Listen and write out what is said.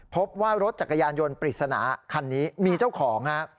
พบว่ารถจักรยานยนต์ปริศนาคันนี้มีเจ้าของฮะ